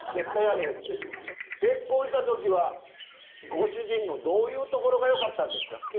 結婚した時はご主人のどういうところがよかったんですか？